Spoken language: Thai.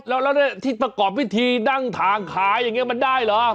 แล้วที่ประกอบพิธีนั่งทางขายอย่างนี้มันได้เหรอ